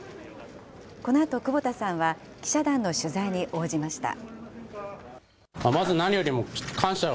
このあと久保田さんは記者団の取材に応じました。